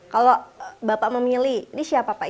kalau bapak memilih ini siapa pak